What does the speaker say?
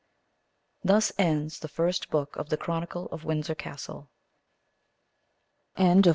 THUS ENDS THE FIRST BOOK OF THE CHRONICLE OF WINDSOR CASTLE BOOK II.